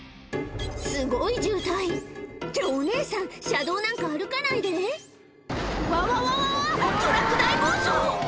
すごい渋滞ってお姉さん車道なんか歩かないでわわわわわトラック大暴走！